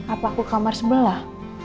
apa aku kamar sebelah